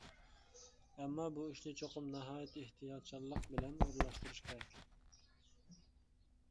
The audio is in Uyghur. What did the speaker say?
ئەمما بۇ ئىشنى چوقۇم ناھايىتى ئېھتىياتچانلىق بىلەن ئورۇنلاشتۇرۇش كېرەك.